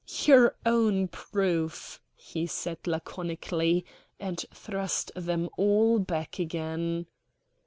"Your own proof," he said laconically, and thrust them all back again.